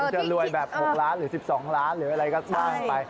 จะรวยแบบ๖ล้านหรือ๑๒ล้านหรืออะไรก็ว่ากันไป